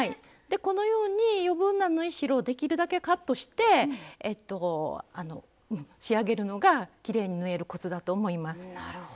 このように余分な縫い代をできるだけカットして仕上げるのがきれいに縫えるコツだと思います。